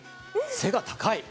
背が高い！